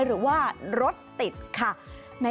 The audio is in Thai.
หรือว่ารถติดค่ะ